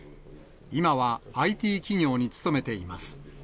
今は、ＩＴ企業に勤めています。